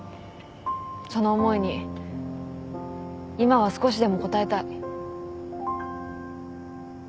その思いに今は少しでも応えたい。